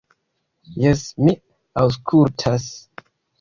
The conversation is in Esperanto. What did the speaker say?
"Jes, mi aŭskultas."